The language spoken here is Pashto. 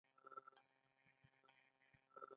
که یې ومینځي نو وایي یې چې اوبه دې ضایع کړې.